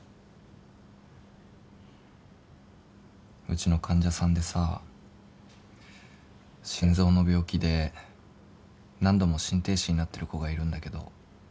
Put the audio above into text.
うちの患者さんでさ心臓の病気で何度も心停止になってる子がいるんだけど。